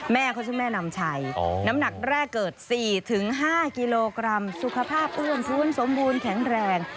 แม่เขาชื่อแม่นำชัยน้ำหนักแรกเกิด๔๕กิโลกรัมสุขภาพอ้วนฟื้นสมบูรณ์แข็งแรง